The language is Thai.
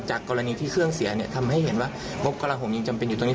กรณีที่เครื่องเสียเนี่ยทำให้เห็นว่างบกระห่มยังจำเป็นอยู่ตรงนี้